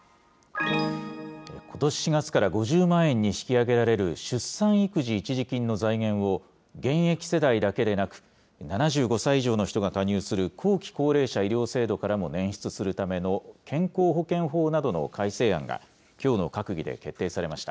ことし４月から５０万円に引き上げられる出産育児一時金の財源を、現役世代だけでなく、７５歳以上の人が加入する後期高齢者医療制度からも捻出するための健康保険法などの改正案が、きょうの閣議で決定されました。